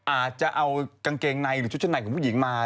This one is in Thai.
อาจจะเอากางเกงในหรือชุดชั้นในของผู้หญิงมา